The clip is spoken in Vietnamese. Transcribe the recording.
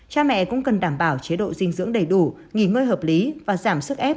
cha mẹ cũng cần đảm bảo chế độ dinh dưỡng đầy đủ nghỉ ngơi hợp lý và giảm sức ép